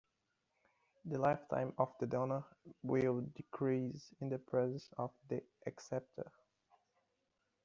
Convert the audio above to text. The lifetime of the donor will decrease in the presence of the acceptor.